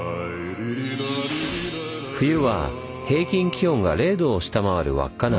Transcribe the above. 冬は平均気温が０℃を下回る稚内。